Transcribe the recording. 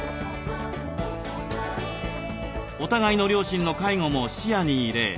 お互いの両親の介護も視野に入れ